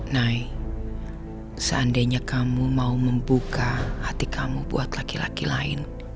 nai seandainya kamu mau membuka hati kamu buat laki laki lain